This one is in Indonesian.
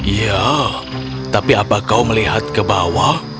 ya tapi apa kau melihat ke bawah